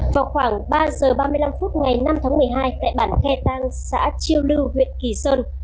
vào khoảng ba giờ ba mươi năm phút ngày năm tháng một mươi hai tại bản khe tang xã chiêu lưu huyện kỳ sơn